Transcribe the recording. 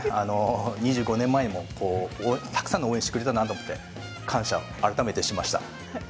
２５年前にも、たくさんの応援をしてくれたんだなと思うと感謝を改めてしました。